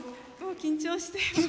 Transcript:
緊張して。